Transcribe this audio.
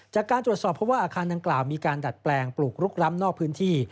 จากการตรวจสอบเพราะว่าอาคารดังกล่าวมีการดัดแปลงปลูกลุกล้ำนอกพื้นที่